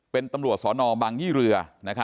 เป็นตำรวจสนบังยี่เรือ